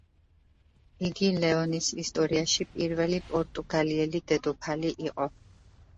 იგი ლეონის ისტორიაში პირველი პორტუგალიელი დედოფალი იყო.